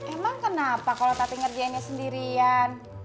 emang kenapa kalau tati ngerjainnya sendirian